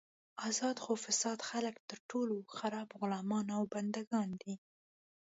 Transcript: ازاد خو فاسد خلک تر ټولو خراب غلامان او بندګان دي.